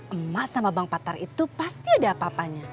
emak sama bang patar itu pasti ada apa apanya